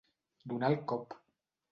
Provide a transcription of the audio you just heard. Donar el cop.